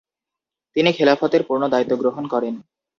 তিনি খেলাফতের পূর্ণ দায়িত্বগ্রহণ করেন।